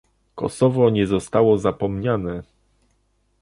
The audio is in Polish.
Kosowo nie zostało zapomniane